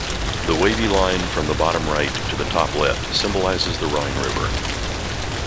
The wavy line from the bottom-right to the top-left symbolizes the Rhine river.